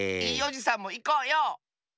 いいおじさんもいこうよ！